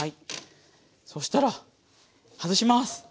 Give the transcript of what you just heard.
そしたら外します！